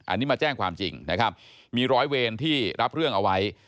อันนี้มาแจ้งความจริงนะครับมีร้อยเวรที่รับเรื่องเอาไว้